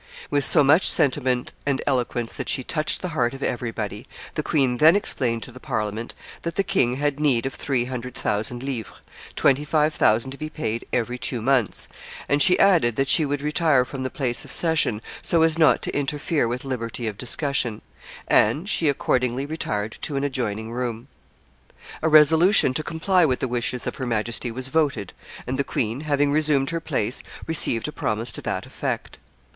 With so much sentiment and eloquence that she touched the heart of everybody, the queen then explained to the Parliament that the king had need of three hundred thousand livres, twenty five thousand to be paid every two months; and she added that she would retire from the place of session, so as not to interfere with liberty of discussion; and she, accordingly, retired to an adjoining room. A resolution to comply with the wishes of her Majesty was voted, and the queen, having resumed her place, received a promise to that effect.